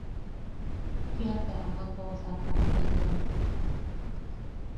Kia te ama toʼosakak itom.